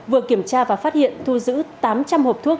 vừa kiểm tra và phát hiện thu giữ tám trăm linh hộp thuốc